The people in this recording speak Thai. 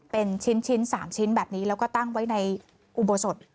เป็นชิ้น๓ชิ้นแบบนี้แล้วก็ตั้งไว้ในอุโบสถ